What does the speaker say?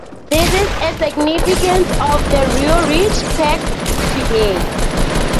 This is a significance of the Roerich Pact today.